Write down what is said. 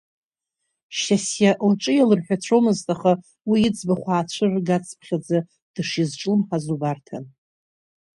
Шьасиа лҿы иалырҳәацәомызт, аха уи, иӡбахә аацәырыргацԥхьаӡа, дышизҿлымҳаз убарҭан.